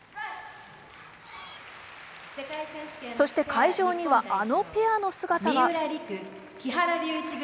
そして、会場にはあのペアの姿が。